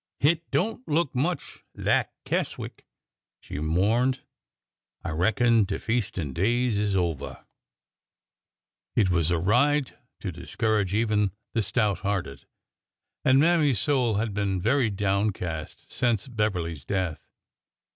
'' Hit don't look much lak Keswick !" she mourned. I reckon de feastin' days is over !" It was a ride to discourage even the stout hearted, and Mammy's soul had been very downcast since Beverly's death.